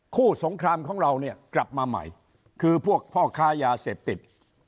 สงครามของเราเนี่ยกลับมาใหม่คือพวกพ่อค้ายาเสพติด